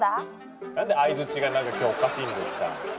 何で相づちがなんか今日おかしいんですか。